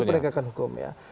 itu penegakan hukum ya